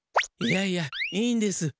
いやいやいいんです。